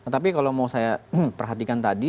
tapi kalau mau saya perhatikan tadi